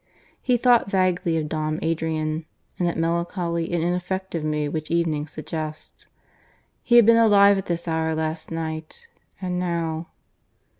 He thought vaguely of Dom Adrian, in that melancholy and ineffective mood which evening suggests ... he had been alive at this hour last night and now